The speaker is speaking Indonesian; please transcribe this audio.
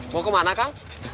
mau kemana kang